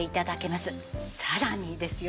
さらにですよ